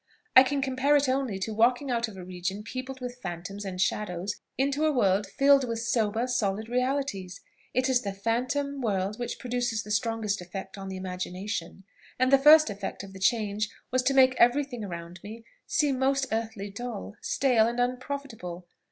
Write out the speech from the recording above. I can compare it only to walking out of a region peopled with phantoms and shadows into a world filled with sober, solid realities. It is the phantom world which produces the strongest effect on the imagination; and the first effect of the change was to make everything around me seem most earthly dull, stale, and unprofitable.